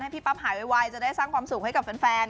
พี่ปั๊บหายไวจะได้สร้างความสุขให้กับแฟน